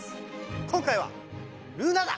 今回はルナだ！